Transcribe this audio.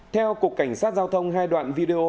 theo cục cảnh sát giao thông hai đoạn video